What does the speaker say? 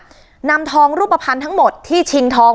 แล้วก็ไปซ่อนไว้ในคานหลังคาของโรงรถอีกทีนึง